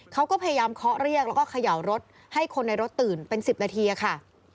เขาก็พยายามเคาะเรียกแล้วก็เขย่ารถให้คนในรถตื่นเป็น๑๐นาทีค่ะ